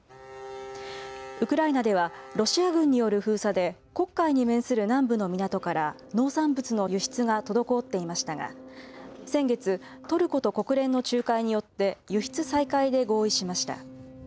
ウクライナでは、ロシア軍による封鎖で、黒海に面する南部の港から農産物の輸出が滞っていましたが、先月、トルコと国連の仲介によって輸出再開で合意しました。